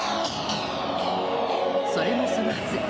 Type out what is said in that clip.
それもそのはず